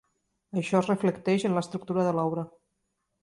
Això es reflecteix en l'estructura de l'obra.